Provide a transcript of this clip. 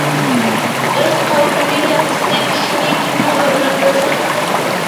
ئۆز قوۋمىنى كەمسىتكەن كىشىنى كىممۇ ھۆرمەتلىسۇن؟ !